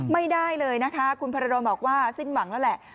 ไม่ได้เลยนะคะคุณพระโดนบอกว่าสิ้นหวังแล้วแหละ